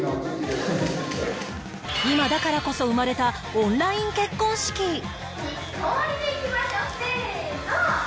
今だからこそ生まれたオンライン結婚式せーの！